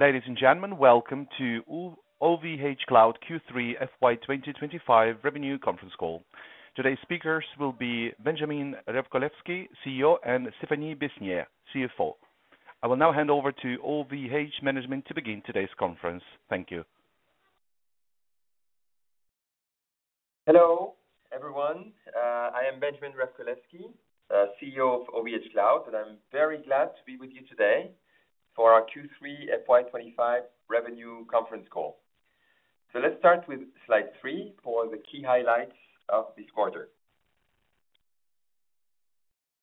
Ladies and gentlemen, welcome to OVHcloud Q3 FY 2025 Revenue Conference Call. Today's speakers will be Benjamin Revcolevschi, CEO, and Stéphanie Besnier, CFO. I will now hand over to OVHcloud Management to begin today's conference. Thank you. Hello, everyone. I am Benjamin Revcolevschi, CEO of OVHcloud, and I'm very glad to be with you today for our Q3 FY 2025 Revenue Conference Call. Let's start with slide three for the key highlights of this quarter.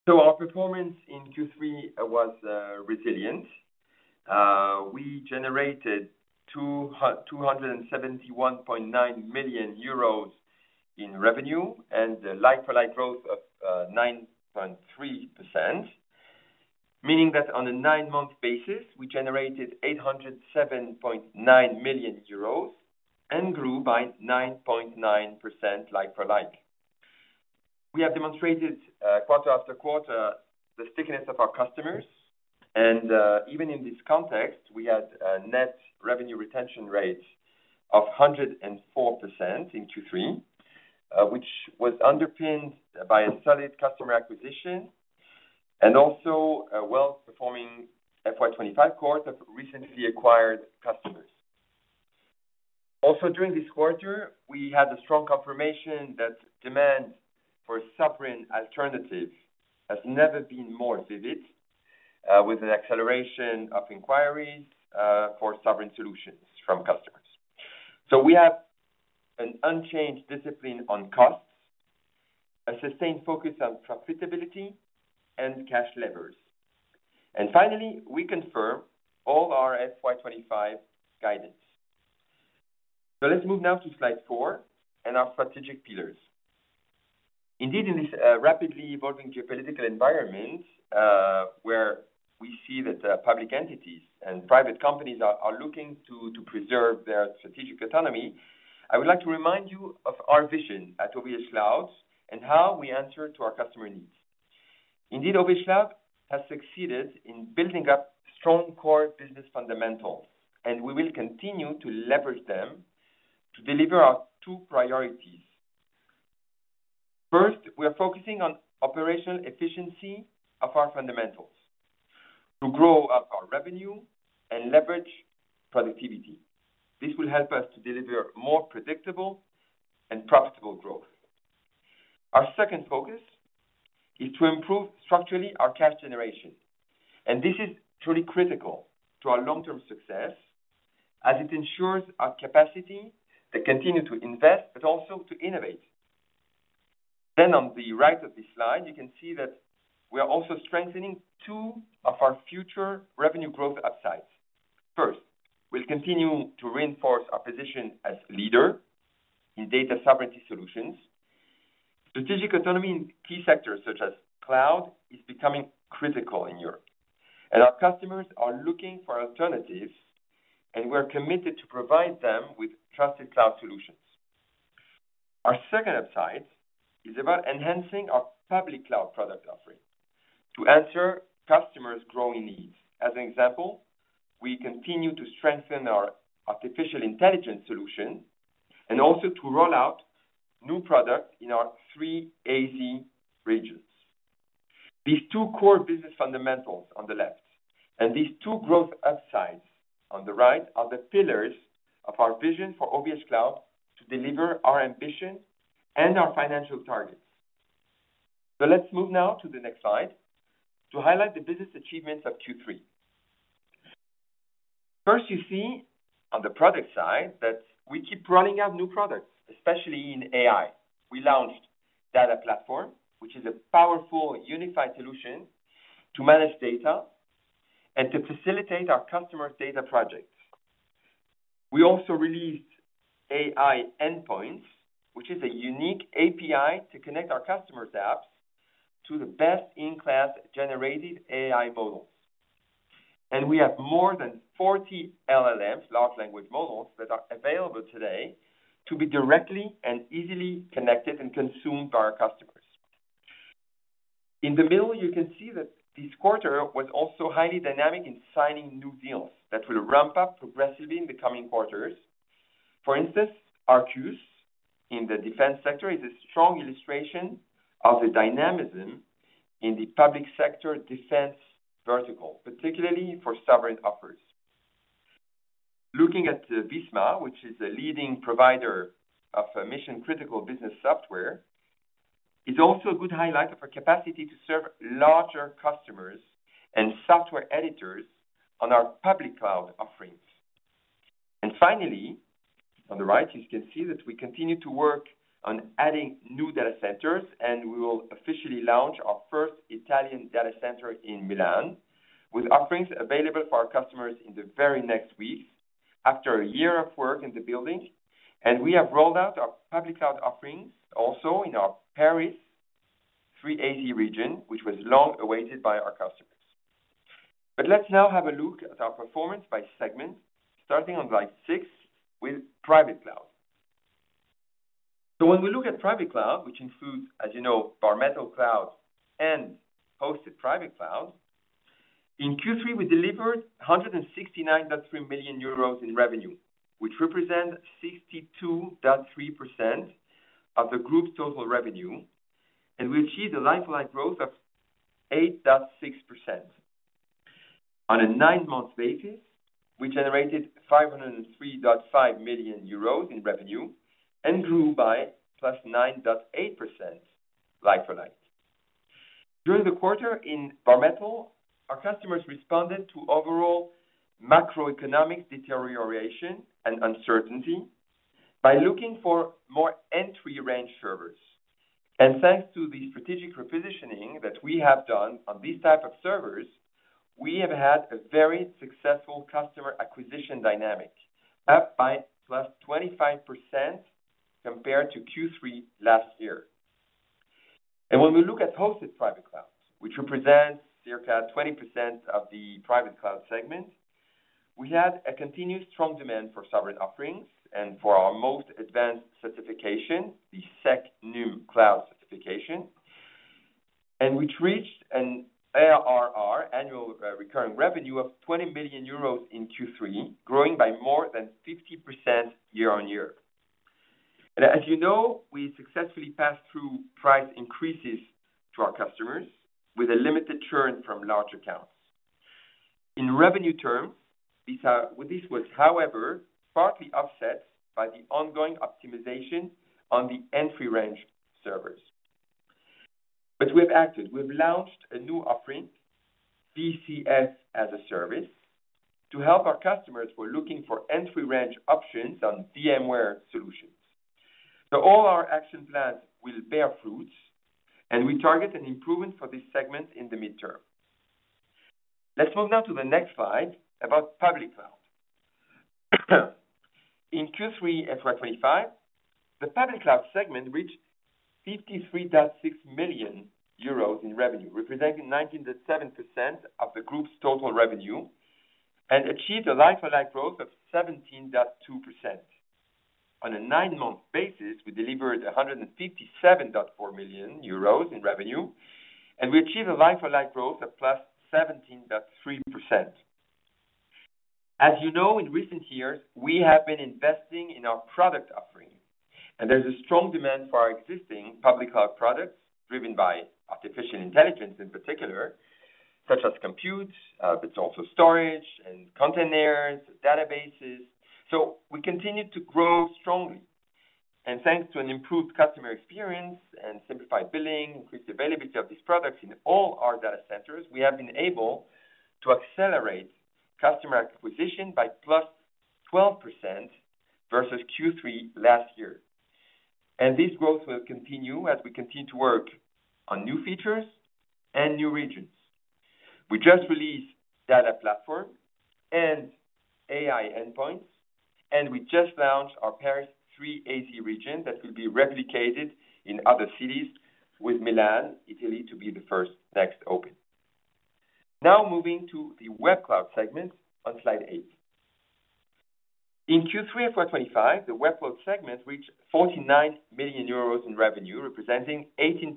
Our performance in Q3 was resilient. We generated 271.9 million euros in revenue and the like-for-like growth of 9.3%, meaning that on a nine-month basis, we generated 807.9 million euros and grew by 9.9% like-for-like. We have demonstrated quarter after quarter the stickiness of our customers, and even in this context, we had a net revenue retention rate of 104% in Q3, which was underpinned by solid customer acquisition and also a well-performing FY 2025 quarter of recently acquired customers. Also, during this quarter, we had the strong confirmation that demand for sovereign alternatives has never been more vivid, with an acceleration of inquiries for sovereign solutions from customers. We have an unchanged discipline on costs, a sustained focus on profitability, and cash levers. Finally, we confirm all our FY 2025 guidance. Let's move now to slide four and our strategic pillars. Indeed, in this rapidly evolving geopolitical environment where we see that public entities and private companies are looking to preserve their strategic autonomy, I would like to remind you of our vision at OVHcloud and how we answer to our customer needs. Indeed, OVHcloud has succeeded in building up strong core business fundamentals, and we will continue to leverage them to deliver our two priorities. First, we are focusing on operational efficiency of our fundamentals to grow our revenue and leverage productivity. This will help us to deliver more predictable and profitable growth. Our second focus is to improve structurally our cash generation, and this is truly critical to our long-term success as it ensures our capacity to continue to invest, but also to innovate. On the right of this slide, you can see that we are also strengthening two of our future revenue growth upsides. First, we'll continue to reinforce our position as a leader in data sovereignty solutions. Strategic autonomy in key sectors such as cloud is becoming critical in Europe, and our customers are looking for alternatives, and we are committed to provide them with trusted cloud solutions. Our second upside is about enhancing our public cloud product offering to answer customers' growing needs. As an example, we continue to strengthen our artificial intelligence solution and also to roll out new products in our three AZ regions. These two core business fundamentals on the left and these two growth upsides on the right are the pillars of our vision for OVHcloud to deliver our ambition and our financial targets. Let's move now to the next slide to highlight the business achievements of Q3. First, you see on the product side that we keep rolling out new products, especially in AI. We launched Data Platform, which is a powerful unified solution to manage data and to facilitate our customers' data projects. We also released AI Endpoints, which is a unique API to connect our customers' apps to the best-in-class generative AI models. We have more than 40 LLMs, large language models, that are available today to be directly and easily connected and consumed by our customers. In the middle, you can see that this quarter was also highly dynamic in signing new deals that will ramp up progressively in the coming quarters. For instance, Arcus in the defense sector is a strong illustration of the dynamism in the public sector defense vertical, particularly for sovereign offers. Looking at Visma, which is a leading provider of mission-critical business software, is also a good highlight of our capacity to serve larger customers and software editors on our public cloud offerings. Finally, on the right, you can see that we continue to work on adding new data centers, and we will officially launch our first Italian data center in Milan, with offerings available for our customers in the very next weeks after a year of work in the building. We have rolled out our public cloud offerings also in our Paris 3AZ region, which was long awaited by our customers. Let's now have a look at our performance by segment, starting on slide six with private cloud. When we look at private cloud, which includes, as you know, Bare Metal Cloud and Hosted Private Cloud, in Q3, we delivered 169.3 million euros in revenue, which represents 62.3% of the group's total revenue, and we achieved a like-for-like growth of 8.6%. On a nine-month basis, we generated 503.5 million euros in revenue and grew by +9.8% like-for-like. During the quarter in Bare Metal, our customers responded to overall macroeconomic deterioration and uncertainty by looking for more entry-range servers. Thanks to the strategic repositioning that we have done on these types of servers, we have had a very successful customer acquisition dynamic, up by +25% compared to Q3 last year. When we look at Hosted Private Cloud, which represents circa 20% of the private cloud segment, we had a continued strong demand for sovereign offerings and for our most advanced certification, the SecNum Cloud certification, and we reached an ARR, annual recurring revenue, of 20 million euros in Q3, growing by more than 50% year on year. As you know, we successfully passed through price increases to our customers with a limited churn from large accounts. In revenue terms, this was, however, partly offset by the ongoing optimization on the entry-range servers. We have acted. We have launched a new offering, VCF as a Service, to help our customers who are looking for entry-range options on VMware solutions. All our action plans will bear fruit, and we target an improvement for this segment in the midterm. Let's move now to the next slide about public cloud. In Q3 FY 2025, the public cloud segment reached 53.6 million euros in revenue, representing 19.7% of the group's total revenue, and achieved a like-for-like growth of 17.2%. On a nine-month basis, we delivered 157.4 million euros in revenue, and we achieved a like-for-like growth of +17.3%. As you know, in recent years, we have been investing in our product offering, and there is a strong demand for our existing public cloud products driven by artificial intelligence in particular, such as compute, but also storage and containers, databases. We continue to grow strongly. Thanks to an improved customer experience and simplified billing, increased availability of these products in all our data centers, we have been able to accelerate customer acquisition by +12% versus Q3 last year. This growth will continue as we continue to work on new features and new regions. We just released Data Platform and AI Endpoints, and we just launched our Paris 3AZ region that will be replicated in other cities, with Milan, Italy, to be the first next open. Now moving to the Web Cloud segment on slide eight. In Q3 FY 2025, the Web Cloud segment reached 49 million euros in revenue, representing 18%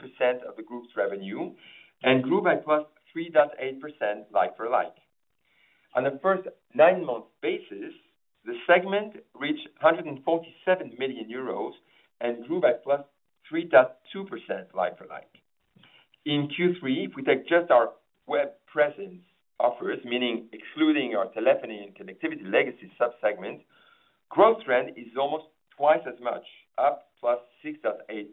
of the group's revenue, and grew by +3.8% like-for-like. On a first nine-month basis, the segment reached 147 million euros and grew by +3.2% like-for-like. In Q3, if we take just our web presence offers, meaning excluding our telephony and connectivity legacy subsegment, the growth trend is almost twice as much, up +6.8%.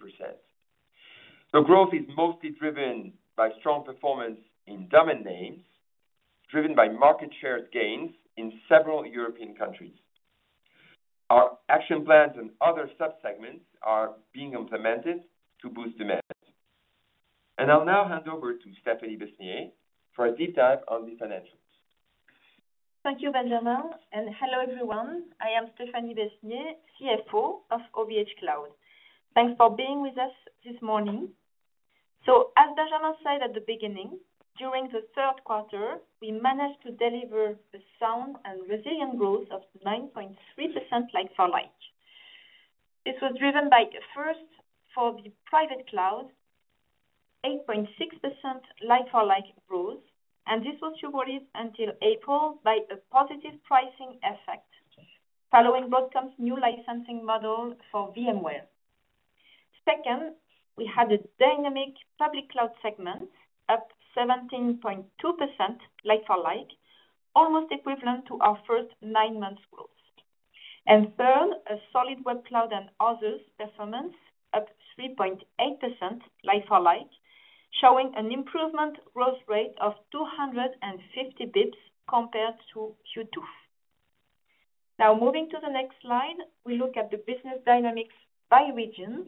The growth is mostly driven by strong performance in domain names, driven by market share gains in several European countries. Our action plans and other subsegments are being implemented to boost demand. I will now hand over to Stéphanie Besnier for a deep dive on the financials. Thank you, Benjamin. Hello, everyone. I am Stéphanie Besnier, CFO of OVHcloud. Thanks for being with us this morning. As Benjamin said at the beginning, during the third quarter, we managed to deliver a sound and resilient growth of 9.3% like-for-like. This was driven by, first, for the private cloud, 8.6% like-for-like growth, and this was supported until April by a positive pricing effect following Broadcom's new licensing model for VMware. Second, we had a dynamic public cloud segment, up 17.2% like-for-like, almost equivalent to our first nine-month growth. Third, a solid web cloud and others performance, up 3.8% like-for-like, showing an improved growth rate of 250 basis points compared to Q2. Now, moving to the next slide, we look at the business dynamics by regions.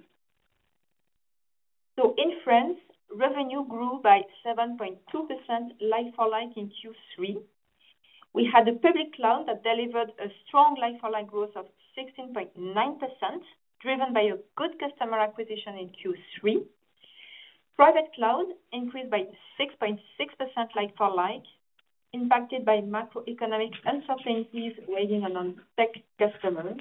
In France, revenue grew by 7.2% like-for-like in Q3. We had a public cloud that delivered a strong like-for-like growth of 16.9%, driven by a good customer acquisition in Q3. Private cloud increased by 6.6% like-for-like, impacted by macroeconomic uncertainties waiting on non-tech customers.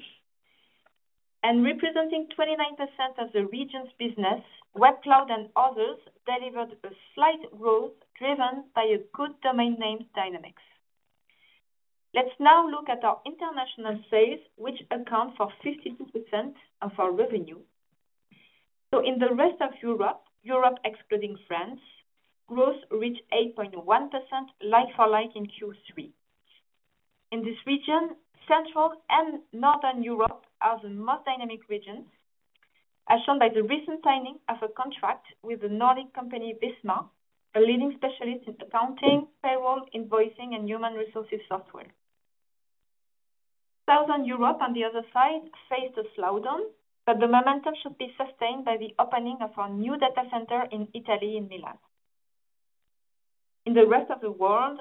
Representing 29% of the region's business, web cloud and others delivered a slight growth driven by good domain name dynamics. Let's now look at our international sales, which account for 52% of our revenue. In the rest of Europe, Europe excluding France, growth reached 8.1% like-for-like in Q3. In this region, Central and Northern Europe are the most dynamic regions, as shown by the recent signing of a contract with the Nordic company Visma, a leading specialist in accounting, payroll, invoicing, and human resources software. Southern Europe, on the other side, faced a slowdown, but the momentum should be sustained by the opening of our new data center in Italy, in Milan. In the rest of the world,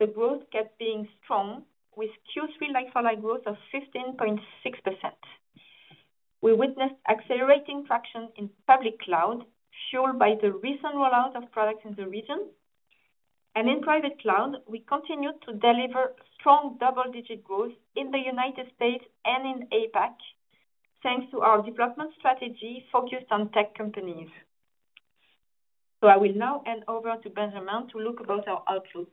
the growth kept being strong, with Q3 like-for-like growth of 15.6%. We witnessed accelerating traction in public cloud, fueled by the recent rollout of products in the region. In private cloud, we continued to deliver strong double-digit growth in the United States and in APAC, thanks to our development strategy focused on tech companies. I will now hand over to Benjamin to look about our outlook.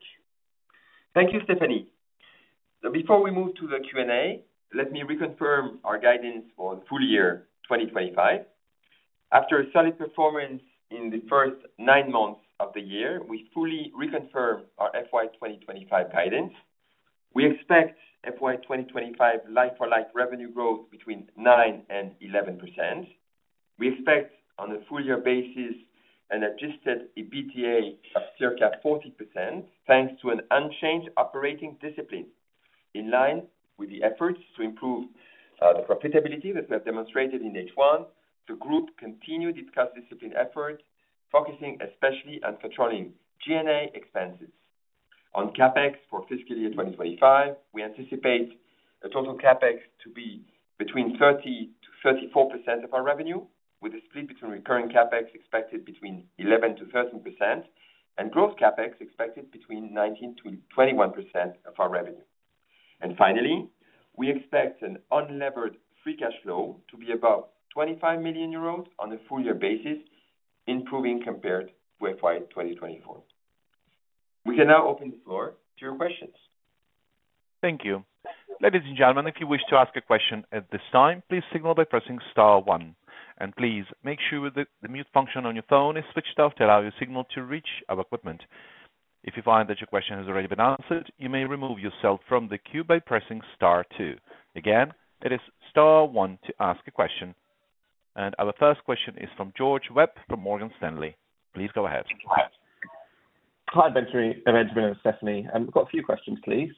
Thank you, Stéphanie. Now, before we move to the Q&A, let me reconfirm our guidance for the full year 2025. After a solid performance in the first nine months of the year, we fully reconfirm our FY 2025 guidance. We expect FY 2025 like-for-like revenue growth between 9%-11%. We expect, on a full-year basis, an adjusted EBITDA of circa 40%, thanks to an unchanged operating discipline. In line with the efforts to improve the profitability that we have demonstrated in H1, the group continued its custody discipline effort, focusing especially on controlling G&A expenses. On CapEx for fiscal year 2025, we anticipate a total CapEx to be between 30%-34% of our revenue, with a split between recurring CapEx expected between 11%-13% and gross CapEx expected between 19%-21% of our revenue. Finally, we expect an unlevered free cash flow to be above 25 million euros on a full-year basis, improving compared to FY 2024. We can now open the floor to your questions. Thank you. Ladies and gentlemen, if you wish to ask a question at this time, please signal by pressing star one. Please make sure that the mute function on your phone is switched off to allow your signal to reach our equipment. If you find that your question has already been answered, you may remove yourself from the queue by pressing star two. Again, it is star one to ask a question. Our first question is from George Webb from Morgan Stanley. Please go ahead. Hi, Benjamin and Stéphanie. We've got a few questions, please.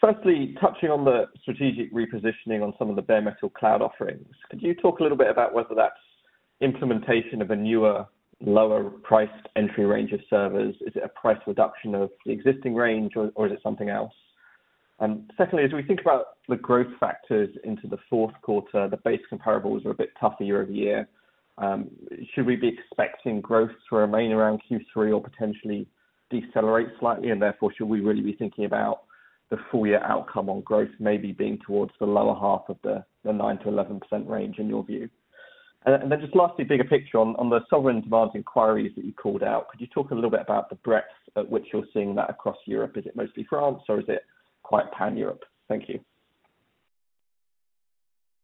Firstly, touching on the strategic repositioning on some of the Bare Metal Cloud offerings, could you talk a little bit about whether that's implementation of a newer, lower-priced entry range of servers? Is it a price reduction of the existing range, or is it something else? Secondly, as we think about the growth factors into the fourth quarter, the base comparables are a bit tougher year over year. Should we be expecting growth to remain around Q3 or potentially decelerate slightly? Therefore, should we really be thinking about the full-year outcome on growth maybe being towards the lower half of the 9%-11% range in your view? Just lastly, bigger picture, on the sovereign demand inquiries that you called out, could you talk a little bit about the breadth at which you're seeing that across Europe? Is it mostly France, or is it quite pan-Europe? Thank you.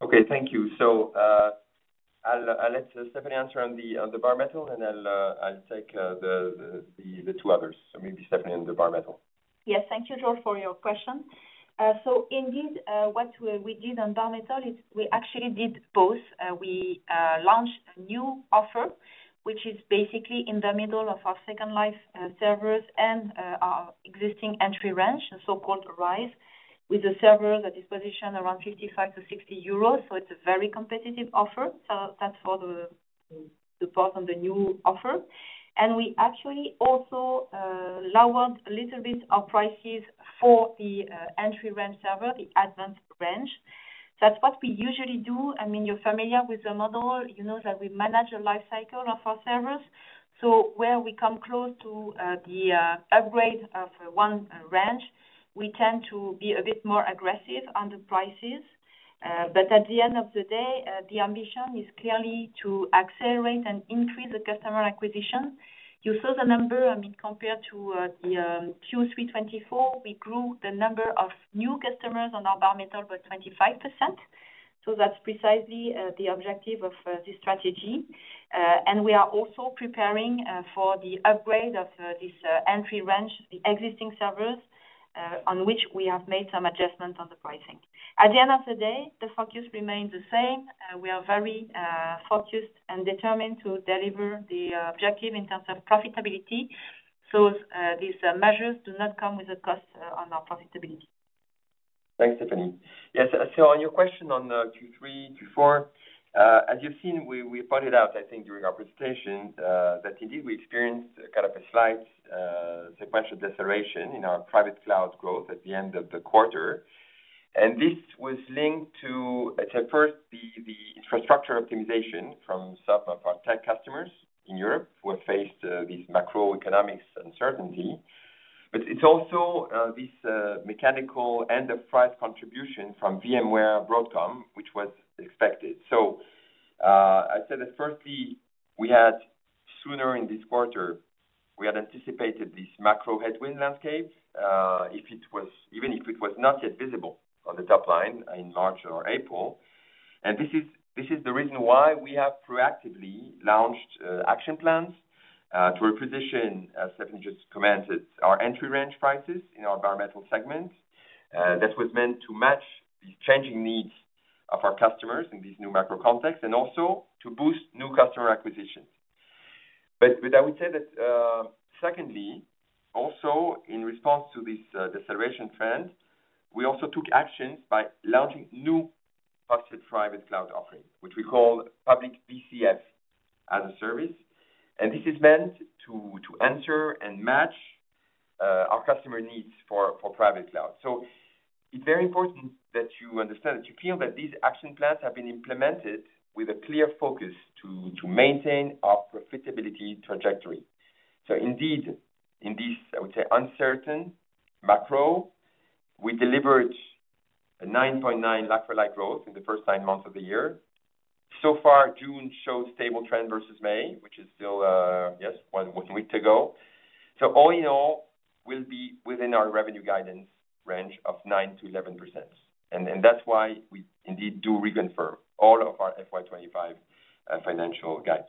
Okay, thank you. I'll let Stéphanie answer on the bare metal, and I'll take the two others. Maybe Stéphanie on the bare metal. Yes, thank you, George, for your question. Indeed, what we did on bare metal, we actually did both. We launched a new offer, which is basically in the middle of our second-live servers and our existing entry range, so-called Rise, with the servers at this position around 55-60 euros. It is a very competitive offer. That is for the part on the new offer. We actually also lowered a little bit our prices for the entry-range server, the advanced range. That is what we usually do. I mean, you are familiar with the model. You know that we manage a life cycle of our servers. Where we come close to the upgrade of one range, we tend to be a bit more aggressive on the prices. At the end of the day, the ambition is clearly to accelerate and increase the customer acquisition. You saw the number. I mean, compared to Q3 2024, we grew the number of new customers on our Bare Metal by 25%. That is precisely the objective of this strategy. We are also preparing for the upgrade of this entry range, the existing servers, on which we have made some adjustments on the pricing. At the end of the day, the focus remains the same. We are very focused and determined to deliver the objective in terms of profitability. These measures do not come with a cost on our profitability. Thanks, Stéphanie. Yes, so on your question on Q3, Q4, as you've seen, we pointed out, I think, during our presentation that indeed we experienced kind of a slight sequential deceleration in our private cloud growth at the end of the quarter. This was linked to, at first, the infrastructure optimization from some of our tech customers in Europe who have faced this macroeconomic uncertainty. It is also this mechanical end-of-price contribution from VMware Broadcom, which was expected. I said that firstly, we had sooner in this quarter, we had anticipated this macro headwind landscape, even if it was not yet visible on the top line in March or April. This is the reason why we have proactively launched action plans to reposition, as Stéphanie just commented, our entry-range prices in our bare metal segment. That was meant to match these changing needs of our customers in this new macro context and also to boost new customer acquisitions. I would say that secondly, also in response to this deceleration trend, we also took actions by launching new private cloud offering, which we call Public VCF as a Service. This is meant to answer and match our customer needs for private cloud. It is very important that you understand that you feel that these action plans have been implemented with a clear focus to maintain our profitability trajectory. Indeed, in this, I would say, uncertain macro, we delivered a 9.9% like-for-like growth in the first nine months of the year. June showed a stable trend versus May, which is still, yes, one week to go. All in all, we will be within our revenue guidance range of 9%-11%. That is why we indeed do reconfirm all of our FY 2025 financial guidance.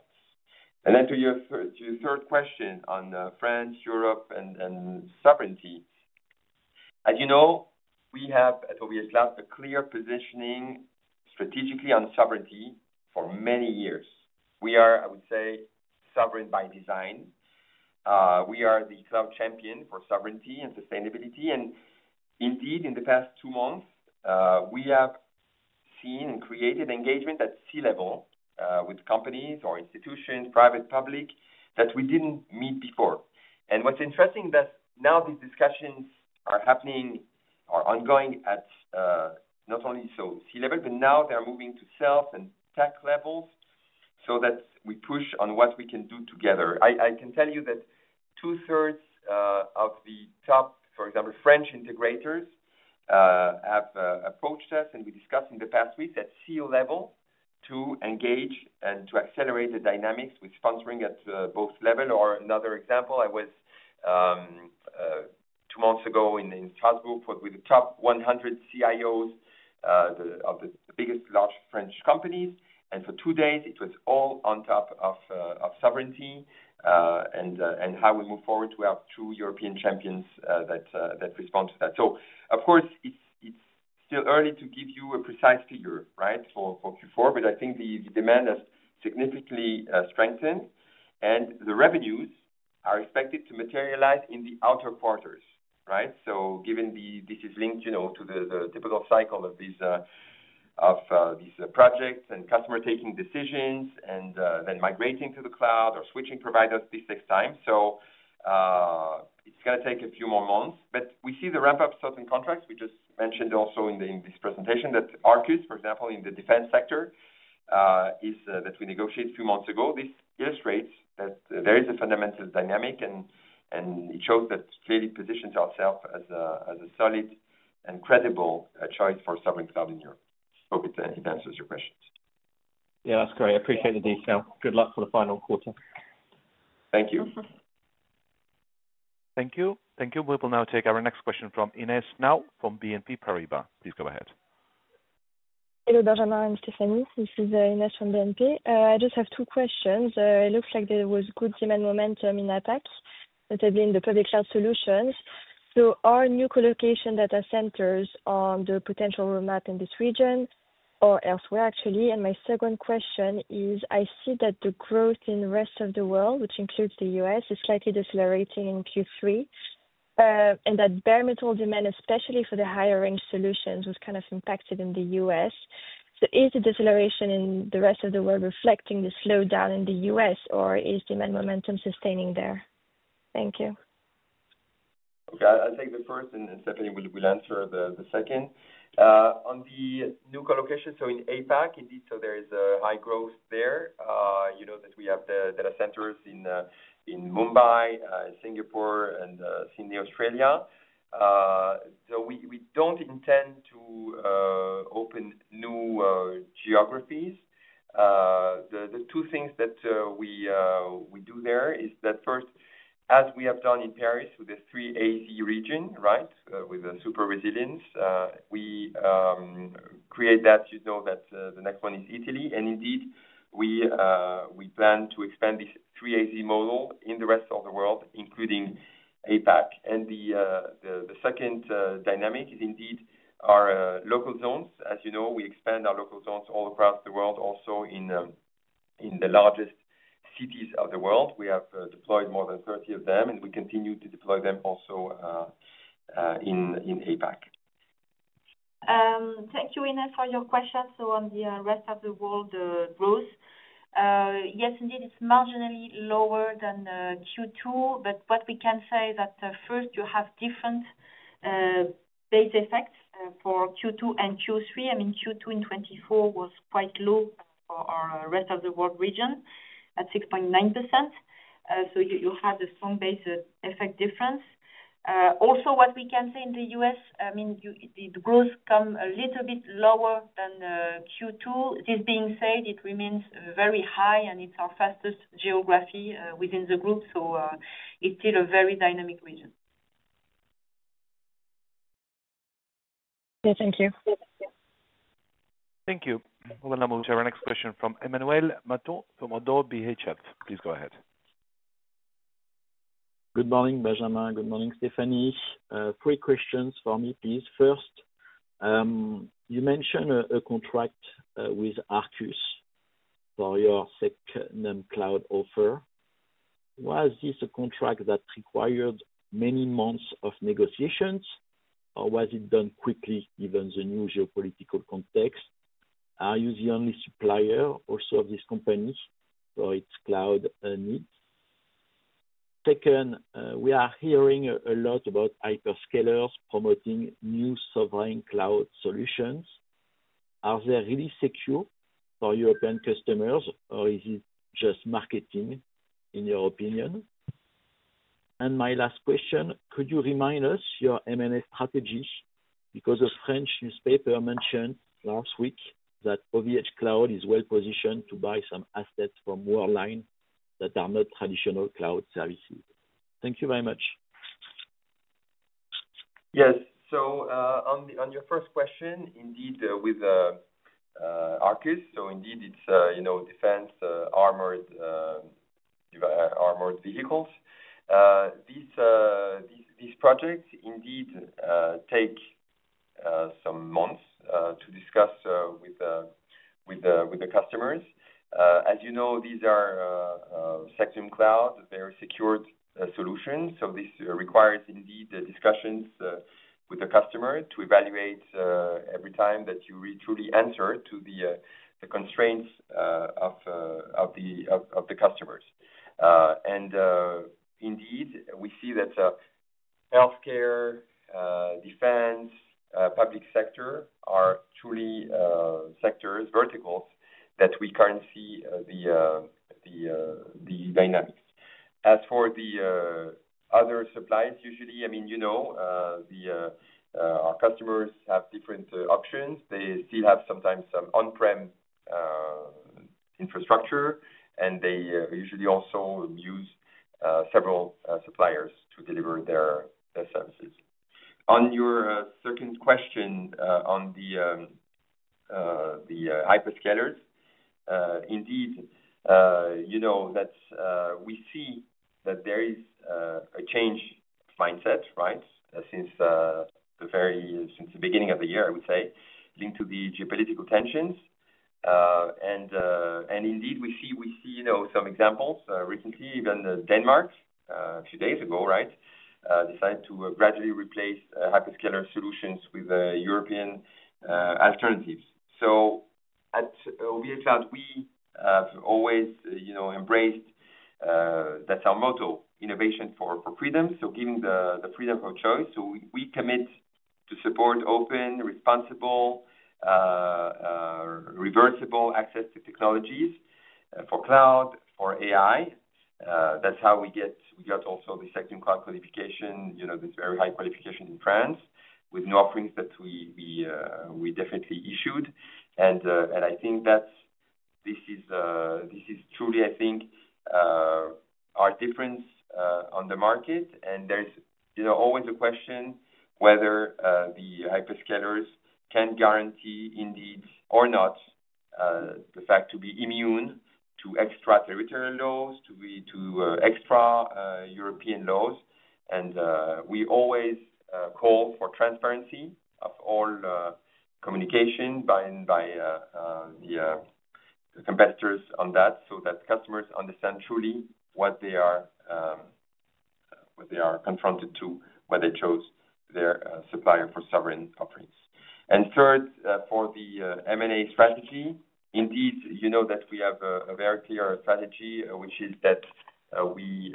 To your third question on France, Europe, and sovereignty, as you know, we have at OVHcloud a clear positioning strategically on sovereignty for many years. We are, I would say, sovereign by design. We are the cloud champion for sovereignty and sustainability. Indeed, in the past two months, we have seen and created engagement at C-level with companies or institutions, private and public, that we did not meet before. What is interesting is that now these discussions are happening, are ongoing at not only C-level, but now they are moving to sales and tech levels so that we push on what we can do together. I can tell you that two-thirds of the top, for example, French integrators have approached us, and we discussed in the past week at C-level to engage and to accelerate the dynamics with sponsoring at both levels. Another example, I was two months ago in Strasbourg with the top 100 CIOs of the biggest large French companies. For two days, it was all on top of sovereignty and how we move forward to have two European champions that respond to that. Of course, it is still early to give you a precise figure, right, for Q4, but I think the demand has significantly strengthened. The revenues are expected to materialize in the outer quarters, right? Given this is linked to the typical cycle of these projects and customers taking decisions and then migrating to the cloud or switching providers this next time. It is going to take a few more months. We see the ramp-up of certain contracts. We just mentioned also in this presentation that Arcus, for example, in the defense sector, that we negotiated a few months ago. This illustrates that there is a fundamental dynamic, and it shows that it clearly positions ourselves as a solid and credible choice for sovereign cloud in Europe. I hope it answers your questions. Yeah, that's great. I appreciate the detail. Good luck for the final quarter. Thank you. Thank you. Thank you. We will now take our next question from Inés now from BNP Paribas. Please go ahead. Hello, Benjamin and Stéphanie. This is Inés from BNP. I just have two questions. It looks like there was good demand momentum in APAC, particularly in the public cloud solutions. Are new colocation data centers on the potential roadmap in this region or elsewhere, actually? My second question is, I see that the growth in the rest of the world, which includes the U.S., is slightly decelerating in Q3 and that bare metal demand, especially for the higher-range solutions, was kind of impacted in the U.S. Is the deceleration in the rest of the world reflecting the slowdown in the U.S., or is demand momentum sustaining there? Thank you. Okay, I'll take the first, and Stéphanie will answer the second. On the new colocation, in APAC, indeed, there is a high growth there. You know that we have the data centers in Mumbai, Singapore, and Sydney, Australia. We do not intend to open new geographies. The two things that we do there are that, first, as we have done in Paris with the three AZ region, right, with the super resilience, we create that. You know that the next one is Italy. We plan to expand this three AZ model in the rest of the world, including APAC. The second dynamic is indeed our local zones. As you know, we expand our local zones all across the world, also in the largest cities of the world. We have deployed more than 30 of them, and we continue to deploy them also in APAC. Thank you, Inés, for your question. On the rest of the world, the growth, yes, indeed, it's marginally lower than Q2, but what we can say is that, first, you have different base effects for Q2 and Q3. I mean, Q2 in 2024 was quite low for our rest of the world region at 6.9%. You have the strong base effect difference. Also, what we can say in the U.S., I mean, the growth comes a little bit lower than Q2. This being said, it remains very high, and it's our fastest geography within the group. It's still a very dynamic region. Thank you. Thank you. We will now move to our next question from Emmanuel Mathon from ODDO BHF. Please go ahead. Good morning, Benjamin. Good morning, Stéphanie. Three questions for me, please. First, you mentioned a contract with Arcus for your second cloud offer. Was this a contract that required many months of negotiations, or was it done quickly, given the new geopolitical context? Are you the only supplier also of this company for its cloud needs? Second, we are hearing a lot about hyperscalers promoting new sovereign cloud solutions. Are they really secure for European customers, or is it just marketing, in your opinion? My last question, could you remind us your M&A strategy? Because a French newspaper mentioned last week that OVHcloud is well-positioned to buy some assets from Worldline that are not traditional cloud services. Thank you very much. Yes. On your first question, indeed, with Arcus, so indeed, it is defense armored vehicles. These projects indeed take some months to discuss with the customers. As you know, these are section cloud, very secured solutions. This requires indeed discussions with the customer to evaluate every time that you truly answer to the constraints of the customers. Indeed, we see that healthcare, defense, public sector are truly sectors, verticals that we currently see the dynamics. As for the other suppliers, usually, I mean, you know our customers have different options. They still have sometimes some on-prem infrastructure, and they usually also use several suppliers to deliver their services. On your second question on the hyperscalers, indeed, you know that we see that there is a change mindset, right, since the very beginning of the year, I would say, linked to the geopolitical tensions. Indeed, we see some examples recently, even Denmark a few days ago, right, decided to gradually replace hyperscaler solutions with European alternatives. At OVHcloud, we have always embraced that. Our motto is innovation for freedom, so giving the freedom of choice. We commit to support open, responsible, reversible access to technologies for cloud, for AI. That is how we got also the SecNumCloud qualification, this very high qualification in France, with new offerings that we definitely issued. I think that this is truly, I think, our difference on the market. There is always a question whether the hyperscalers can guarantee indeed or not the fact to be immune to extraterritorial laws, to extra European laws. We always call for transparency of all communication by the competitors on that so that customers understand truly what they are confronted to when they choose their supplier for sovereign offerings. Third, for the M&A strategy, indeed, you know that we have a very clear strategy, which is that we,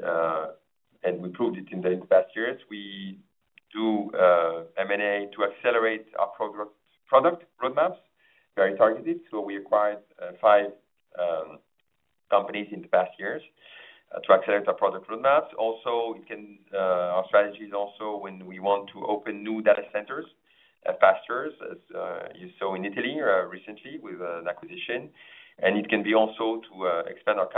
and we proved it in the past years, we do M&A to accelerate our product roadmaps, very targeted. We acquired five companies in the past years to accelerate our product roadmaps. Also, our strategy is also when we want to open new data centers faster, as you saw in Italy recently with an acquisition. It can be also to expand our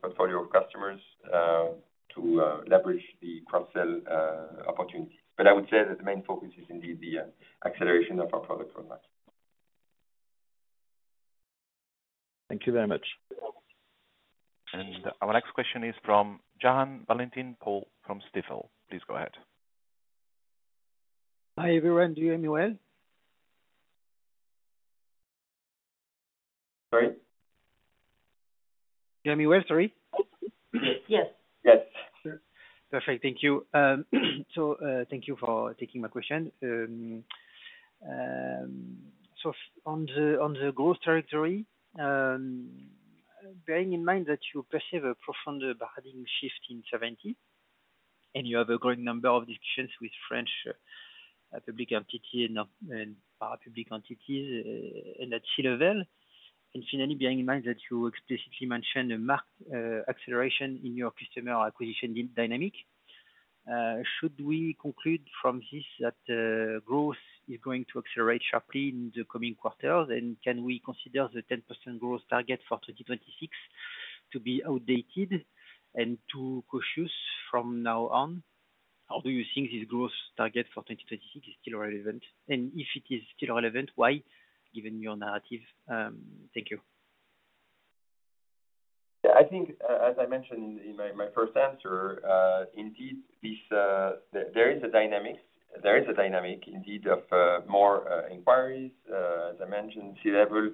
portfolio of customers to leverage the cross-sell opportunities. I would say that the main focus is indeed the acceleration of our product roadmaps. Thank you very much. Our next question is from John Valentin Paul from Stifel. Please go ahead. Hi everyone. Do you hear me well? Sorry? Do you hear me well? Sorry. Yes. Yes. Perfect. Thank you. Thank you for taking my question. On the growth territory, bearing in mind that you perceive a profound bargaining shift in 2024, and you have a growing number of discussions with French public entities and public entities at C-level, and finally, bearing in mind that you explicitly mentioned a marked acceleration in your customer acquisition dynamic, should we conclude from this that growth is going to accelerate sharply in the coming quarters? Can we consider the 10% growth target for 2026 to be outdated and too cautious from now on? Do you think this growth target for 2026 is still relevant? If it is still relevant, why, given your narrative? Thank you. Yeah, I think, as I mentioned in my first answer, indeed, there is a dynamic. There is a dynamic indeed of more inquiries, as I mentioned, C-level.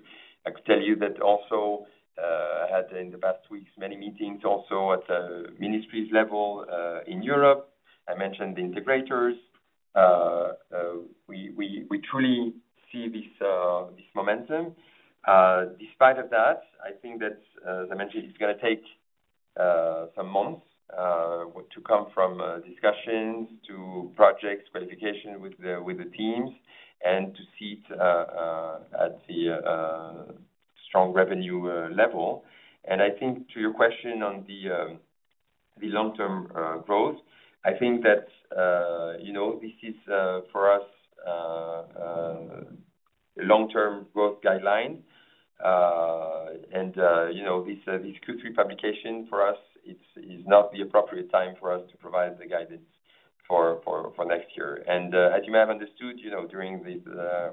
I could tell you that also I had in the past weeks many meetings also at the ministry's level in Europe. I mentioned the integrators. We truly see this momentum. Despite that, I think that, as I mentioned, it's going to take some months to come from discussions to projects, qualifications with the teams, and to see it at the strong revenue level. I think to your question on the long-term growth, I think that this is, for us, a long-term growth guideline. This Q3 publication for us, it's not the appropriate time for us to provide the guidance for next year. As you may have understood during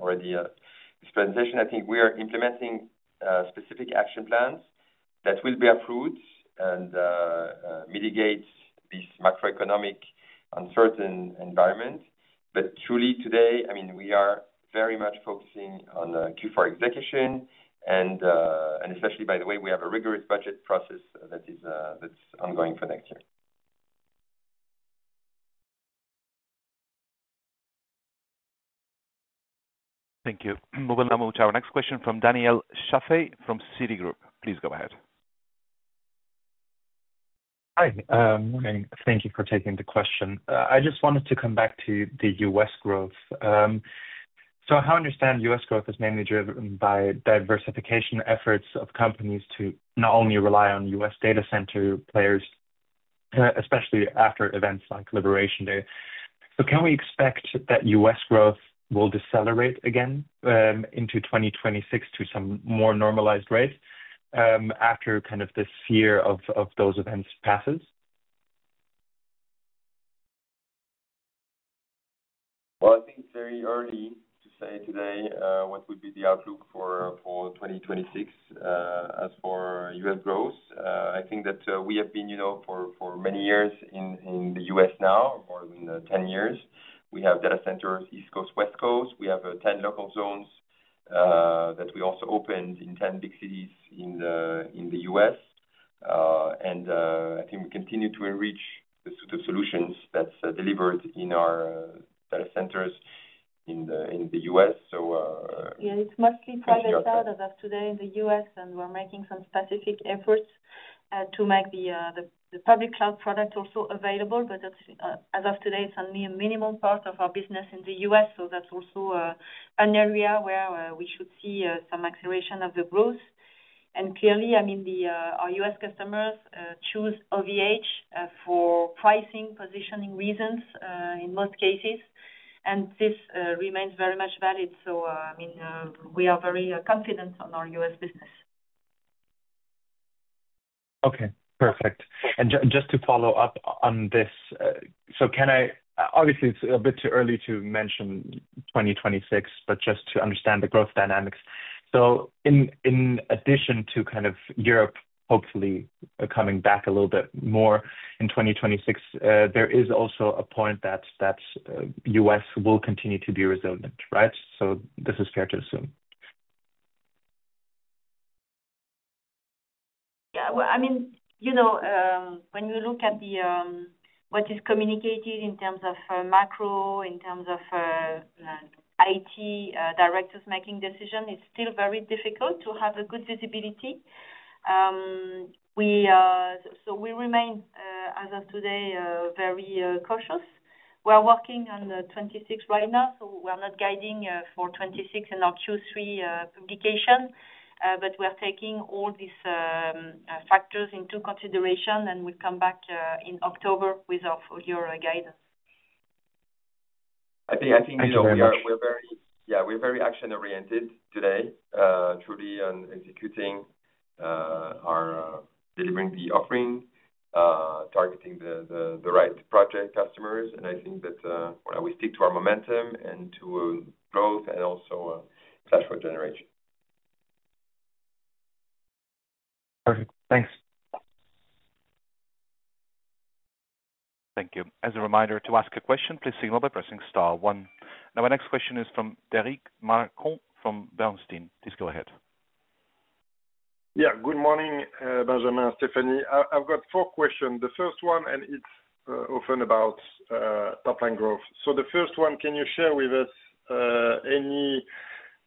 already this presentation, I think we are implementing specific action plans that will be approved and mitigate this macroeconomic uncertain environment. Truly today, I mean, we are very much focusing on Q4 execution. Especially, by the way, we have a rigorous budget process that is ongoing for next year. Thank you. We will now move to our next question from Danielle Chaffey from Citi Group. Please go ahead. Hi. Good morning. Thank you for taking the question. I just wanted to come back to the U.S. growth. How I understand U.S. growth is mainly driven by diversification efforts of companies to not only rely on U.S. data center players, especially after events like Liberation Day. Can we expect that U.S. growth will decelerate again into 2026 to some more normalized rate after kind of this fear of those events passes? I think it's very early to say today what would be the outlook for 2026 as for U.S. growth. I think that we have been for many years in the U.S. now, more than 10 years. We have data centers East Coast, West Coast. We have 10 local zones that we also opened in 10 big cities in the U.S. I think we continue to enrich the suite of solutions that's delivered in our data centers in the U.S. Yeah, it's mostly private cloud as of today in the U.S., and we're making some specific efforts to make the public cloud product also available. As of today, it's only a minimum part of our business in the U.S. That is also an area where we should see some acceleration of the growth. Clearly, I mean, our U.S. customers choose OVHcloud for pricing, positioning reasons in most cases. This remains very much valid. I mean, we are very confident on our U.S. business. Okay. Perfect. Just to follow up on this, can I, obviously, it's a bit too early to mention 2026, but just to understand the growth dynamics. In addition to kind of Europe hopefully coming back a little bit more in 2026, there is also a point that US will continue to be resilient, right? This is fair to assume. Yeah. I mean, you know when you look at what is communicated in terms of macro, in terms of IT directors making decisions, it's still very difficult to have a good visibility. So we remain, as of today, very cautious. We're working on 2026 right now, so we're not guiding for 2026 in our Q3 publication, but we're taking all these factors into consideration, and we'll come back in October with our full year guidance. I think we are very action-oriented today, truly executing our delivering the offering, targeting the right project customers. I think that we stick to our momentum and to growth and also cash flow generation. Perfect. Thanks. Thank you. As a reminder, to ask a question, please signal by pressing star one. Now, our next question is from Derric Marcon from Bernstein. Please go ahead. Yeah. Good morning, Benjamin, Stéphanie. I've got four questions. The first one, and it's often about top-line growth. The first one, can you share with us any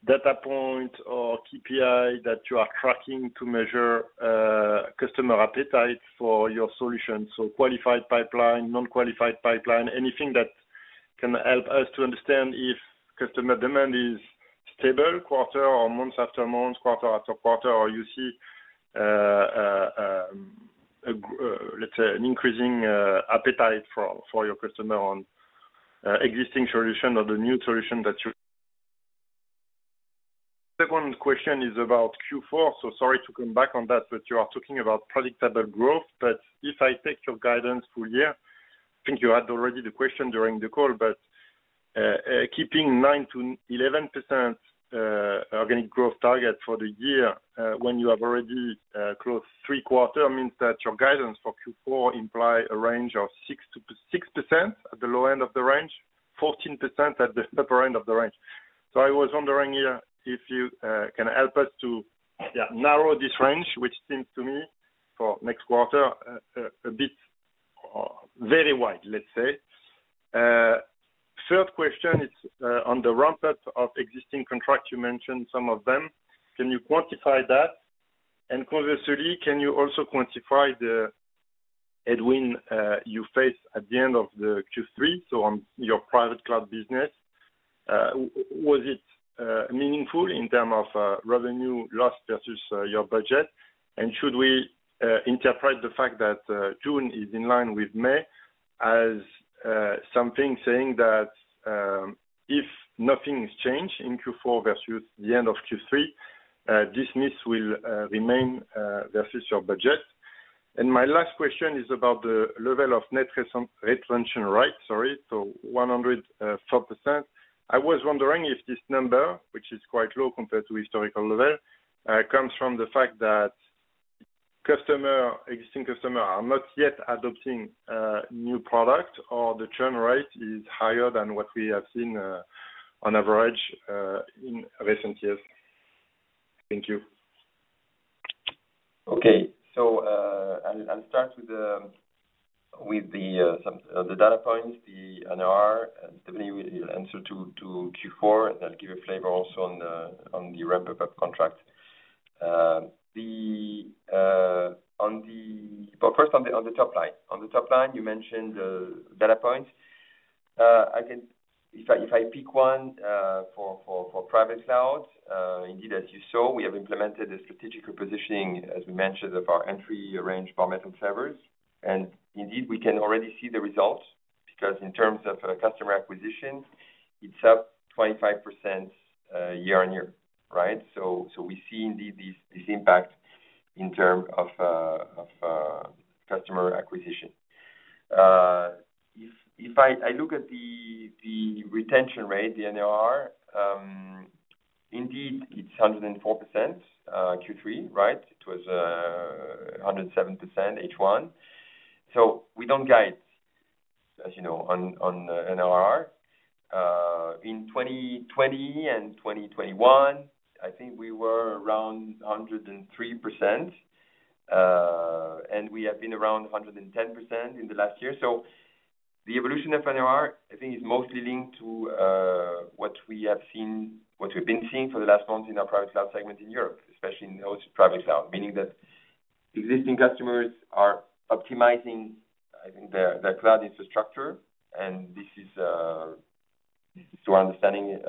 data point or KPI that you are tracking to measure customer appetite for your solutions? So qualified pipeline, non-qualified pipeline, anything that can help us to understand if customer demand is stable month after month, quarter after quarter, or you see, let's say, an increasing appetite for your customer on existing solutions or the new solutions that you? Second question is about Q4. Sorry to come back on that, but you are talking about predictable growth. If I take your guidance full year, I think you had already the question during the call, but keeping 9-11% organic growth target for the year when you have already closed three quarters means that your guidance for Q4 implies a range of 6-6% at the low end of the range, 14% at the upper end of the range. I was wondering here if you can help us to narrow this range, which seems to me for next quarter a bit very wide, let's say. Third question is on the ramp-up of existing contracts. You mentioned some of them. Can you quantify that? And conversely, can you also quantify the headwind you face at the end of Q3? On your private cloud business, was it meaningful in terms of revenue loss versus your budget? Should we interpret the fact that June is in line with May as something saying that if nothing changes in Q4 versus the end of Q3, this miss will remain versus your budget? My last question is about the level of net retention rate, sorry, so 104%. I was wondering if this number, which is quite low compared to historical level, comes from the fact that existing customers are not yet adopting new products or the churn rate is higher than what we have seen on average in recent years. Thank you. Okay. I'll start with the data points, the NOR. Stéphanie will answer to Q4, and I'll give a flavor also on the ramp-up of contracts. First on the top line. On the top line, you mentioned data points. If I pick one for private cloud, indeed, as you saw, we have implemented the strategic repositioning, as we mentioned, of our entry-range Bare Metal servers. Indeed, we can already see the results because in terms of customer acquisition, it's up 25% year on year, right? We see indeed this impact in terms of customer acquisition. If I look at the retention rate, the NOR, indeed, it's 104% Q3, right? It was 107% H1. We don't guide, as you know, on NOR. In 2020 and 2021, I think we were around 103%, and we have been around 110% in the last year. The evolution of NOR, I think, is mostly linked to what we have seen, what we've been seeing for the last months in our private cloud segment in Europe, especially in those private cloud, meaning that existing customers are optimizing, I think, their cloud infrastructure. This is, to our understanding,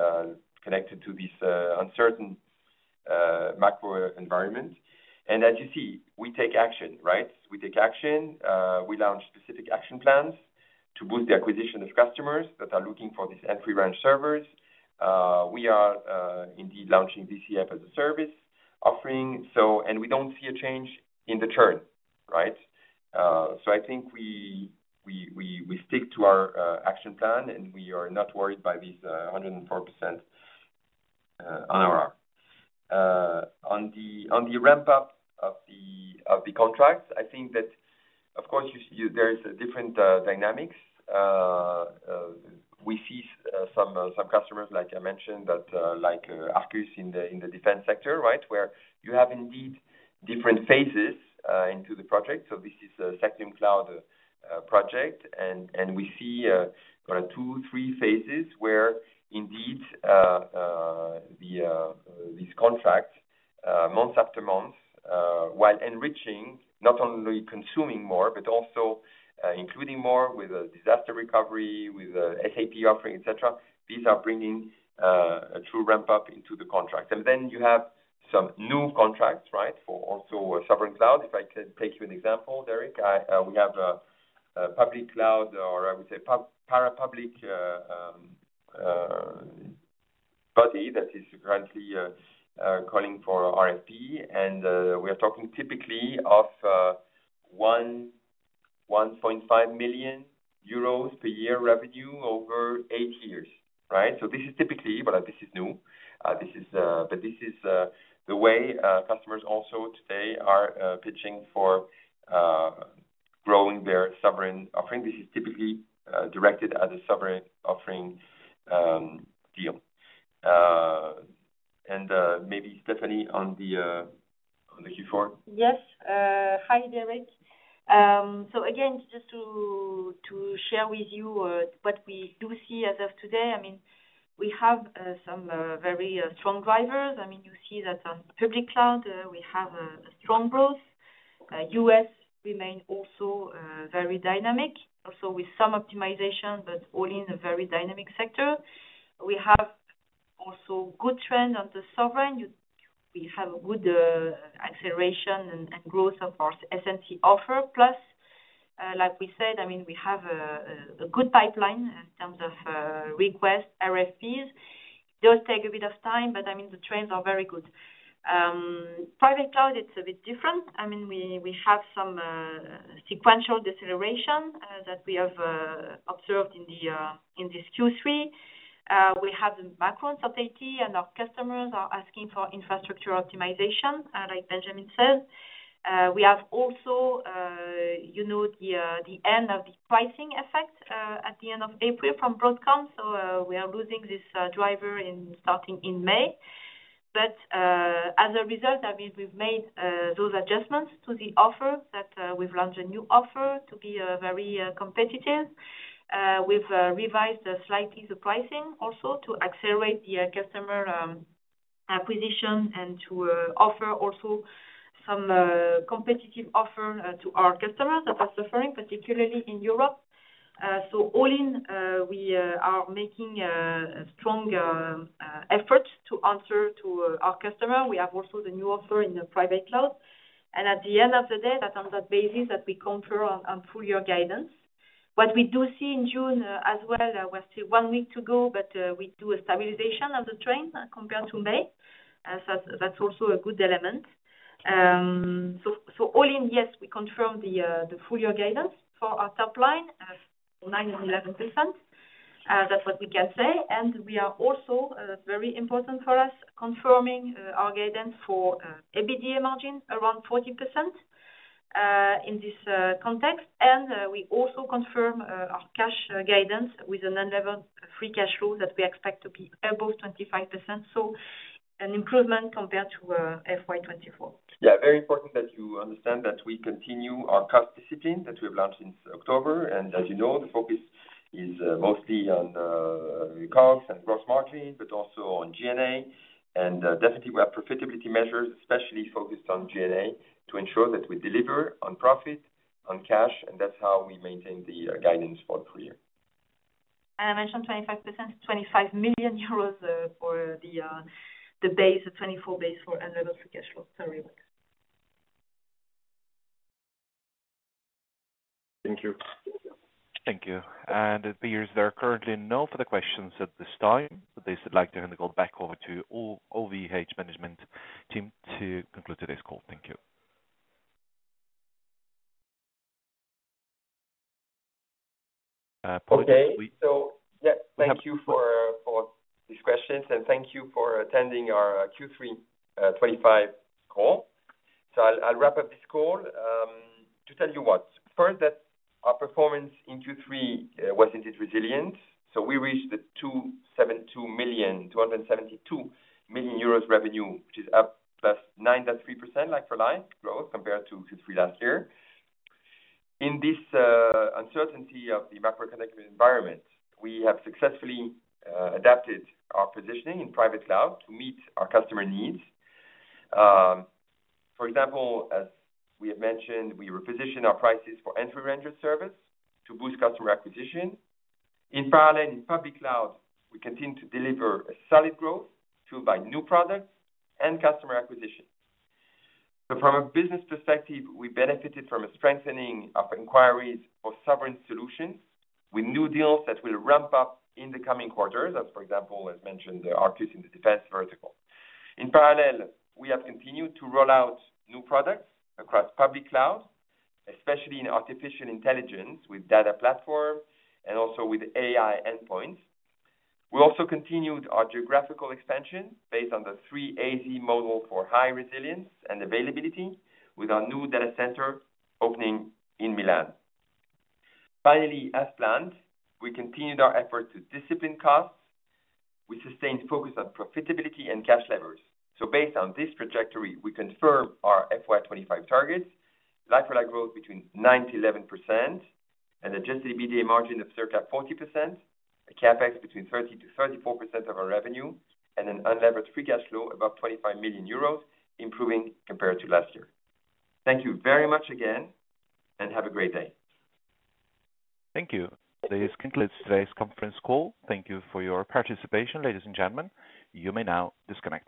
connected to this uncertain macro environment. As you see, we take action, right? We take action. We launch specific action plans to boost the acquisition of customers that are looking for these entry-range servers. We are indeed launching VCF as a service offering. We do not see a change in the churn, right? I think we stick to our action plan, and we are not worried by this 104% NOR. On the ramp-up of the contracts, I think that, of course, there are different dynamics. We see some customers, like I mentioned, like Arcus in the defense sector, right, where you have indeed different phases into the project. This is a SecNum Cloud project. We see kind of two, three phases where indeed these contracts, month after month, while enriching, not only consuming more, but also including more with disaster recovery, with SAP offering, etc., these are bringing a true ramp-up into the contract. You have some new contracts, right, for also sovereign cloud. If I can take you an example, Derek, we have a public cloud, or I would say parapublic body that is currently calling for RFP. We are talking typically of 1.5 million euros per year revenue over eight years, right? This is typically, but this is new. This is the way customers also today are pitching for growing their sovereign offering. This is typically directed as a sovereign offering deal. Maybe Stéphanie on the Q4? Yes. Hi, Derek. Again, just to share with you what we do see as of today, I mean, we have some very strong drivers. I mean, you see that on public cloud, we have strong growth. US remains also very dynamic, also with some optimization, but all in a very dynamic sector. We have also good trends on the sovereign. We have a good acceleration and growth of our SMC offer. Plus, like we said, I mean, we have a good pipeline in terms of requests, RFPs. It does take a bit of time, but I mean, the trends are very good. Private cloud, it's a bit different. I mean, we have some sequential deceleration that we have observed in this Q3. We have the macro uncertainty, and our customers are asking for infrastructure optimization, like Benjamin says. We have also the end of the pricing effect at the end of April from Broadcom. We are losing this driver starting in May. As a result, I mean, we've made those adjustments to the offer, and we've launched a new offer to be very competitive. We've revised slightly the pricing also to accelerate the customer acquisition and to offer also some competitive offer to our customers that are suffering, particularly in Europe. All in, we are making a strong effort to answer to our customers. We have also the new offer in the private cloud. At the end of the day, that's on that basis that we confer on full year guidance. What we do see in June as well, we're still one week to go, but we do a stabilization of the trend compared to May. That's also a good element. Yes, we confirm the full year guidance for our top line, 9%-11%. That is what we can say. We are also, very important for us, confirming our guidance for EBITDA margin around 40% in this context. We also confirm our cash guidance with an unlevered free cash flow that we expect to be above 25 million, so an improvement compared to FY2024. Yeah. Very important that you understand that we continue our cost discipline that we have launched since October. As you know, the focus is mostly on cost and gross margin, but also on G&A. Definitely, we have profitability measures, especially focused on G&A, to ensure that we deliver on profit, on cash, and that is how we maintain the guidance for the full year. I mentioned 25%, 25 million euros for the base of 2024 base for unlevered free cash flow. Sorry. Thank you. Thank you. It appears there are currently no further questions at this time, but they would like to hand the call back over to OVHcloud management team to conclude today's call. Thank you. Okay. Yes, thank you for these questions, and thank you for attending our Q3 2025 call. I'll wrap up this call to tell you what. First, that our performance in Q3 was indeed resilient. We reached 272 million, 272 million euros revenue, which is up +9.3% like-for-like growth compared to Q3 last year. In this uncertainty of the macroeconomic environment, we have successfully adapted our positioning in private cloud to meet our customer needs. For example, as we have mentioned, we repositioned our prices for entry-range servers to boost customer acquisition. In parallel, in public cloud, we continue to deliver solid growth by new products and customer acquisition. From a business perspective, we benefited from a strengthening of inquiries for sovereign solutions with new deals that will ramp up in the coming quarters, as for example, as mentioned, Arcus in the defense vertical. In parallel, we have continued to roll out new products across public cloud, especially in artificial intelligence with Data Platform and also with AI Endpoints. We also continued our geographical expansion based on the 3AZ model for high resilience and availability with our new data center opening in Milan. Finally, as planned, we continued our effort to discipline costs. We sustained focus on profitability and cash levers. Based on this trajectory, we confirm our FY2025 targets, like-for-like growth between 9%-11%, an adjusted EBITDA margin of circa 40%, CapEx between 30%-34% of our revenue, and an unlevered free cash flow above 25 million euros, improving compared to last year. Thank you very much again, and have a great day. Thank you. This concludes today's conference call. Thank you for your participation, ladies and gentlemen. You may now disconnect.